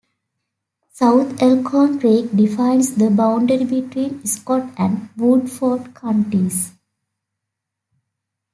South Elkhorn Creek defines the boundary between Scott and Woodford counties.